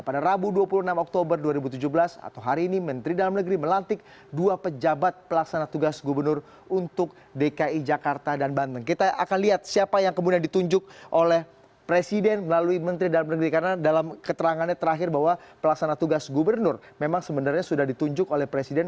pada rabu dua puluh enam oktober dua ribu tujuh belas atau hari ini menteri dalam negeri melantik dua pejabat pelaksana tugas